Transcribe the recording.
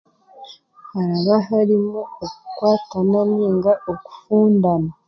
Haraba hariho okukwatana ninga okukundana.